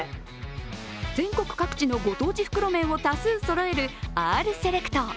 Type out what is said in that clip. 全国各地のご当地袋麺を多数そろえるＲｓｅｌｅｃｔ。